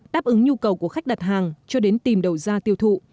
đáp ứng nhu cầu của khách đặt hàng cho đến tìm đầu ra tiêu thụ